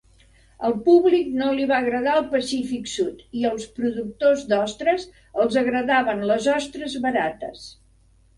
Al públic no li va agradar el Pacífic Sud i als productors d'ostres els agradaven les ostres barates.